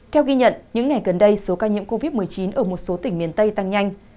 theo ghi nhận những ngày gần đây số ca nhiễm covid một mươi chín ở một số tỉnh miền tây tăng nhanh